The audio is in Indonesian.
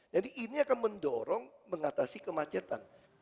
jadi ini akan mendorong mengatasi kemacetan